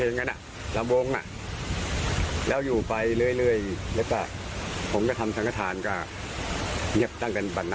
นี่ค่ะ